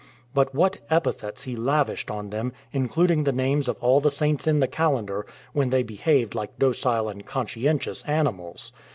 But what epithets he lavished on them, including the names of all the saints in the calendar, when they behaved like docile and conscientious animals!